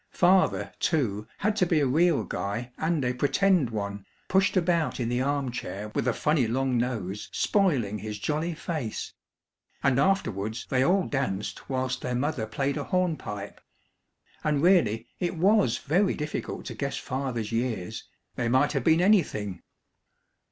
Father, too, had to be a real guy and a "pretend" one, pushed about in the arm chair with a funny long nose spoiling his jolly face. And afterwards they all danced whilst their mother played a hornpipe and really it was very difficult to guess Father's years, they might have been anything!